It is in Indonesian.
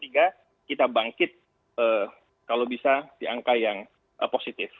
sehingga kuartal ketiga kita bangkit kalau bisa di angka yang positif